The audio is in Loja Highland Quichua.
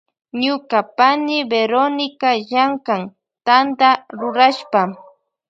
Ñuka pani Verónica llankan Tanta rurashpa.